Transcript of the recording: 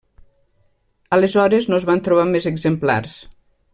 Aleshores no es van trobar més exemplars.